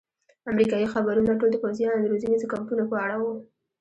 امریکایي خبرونه ټول د پوځیانو د روزنیزو کمپونو په اړه وو.